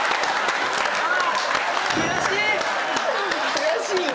悔しいよ！